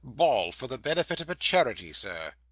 Ball for the benefit of a charity, Sir.